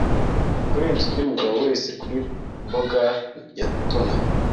Kurenza undi mugabo wese kuri boger ya Toner